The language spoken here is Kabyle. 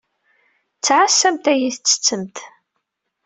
Ttɛassamt ayen tettettemt.